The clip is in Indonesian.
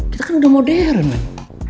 kita kan udah modern kan